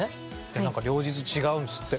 なんか両日違うんですって。